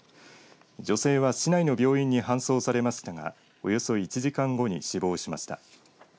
女性は市内の病院に搬送されましたがおよそ１時間後に死亡しました。